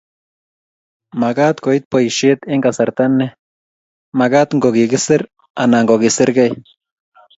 Magat koit boisiet eng kasarta ne. Magat ngo kikiser anan ko kiserkei